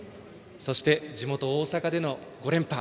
そして地元・大阪での５連覇。